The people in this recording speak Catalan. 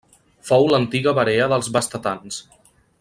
Fou l'antiga Barea dels bastetans.